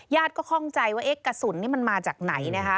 ญาติก็คล่องใจว่าเอ๊ะกระสุนนี่มันมาจากไหนนะคะ